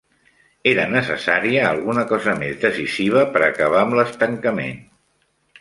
Era necessària alguna cosa més decisiva per acabar amb l'estancament.